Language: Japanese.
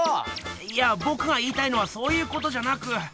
いやぼくが言いたいのはそういうことじゃなく。